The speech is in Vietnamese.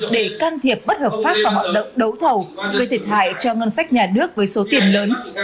để can thiệp bất hợp pháp vào hoạt động đấu thầu gây thiệt hại cho ngân sách nhà nước với số tiền lớn